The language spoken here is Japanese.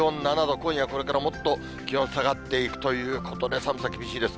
今夜これからもっと気温下がっていくということで、寒さ厳しいです。